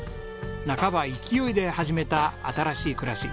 半ば勢いで始めた新しい暮らし。